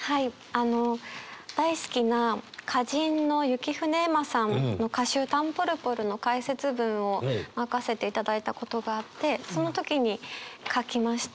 あの大好きな歌人の雪舟えまさんの歌集「たんぽるぽる」の解説文を任せていただいたことがあってその時に書きました。